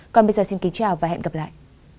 còn bây giờ xin kính chào và hẹn gặp lại